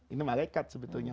ini malaikat sebetulnya